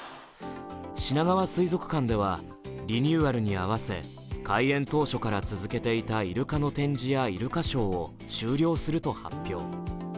しながわ水族館では、リニューアルに合わせ開園当初から続けていたいるかの展示やいるかショーを終了すると発表。